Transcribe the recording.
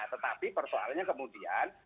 tetapi persoalannya kemudian